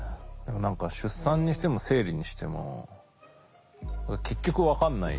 何か出産にしても生理にしても結局分かんない。